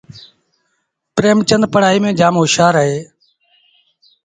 پريمچندپڙهآئيٚ ميݩ جآم هوشآر اهي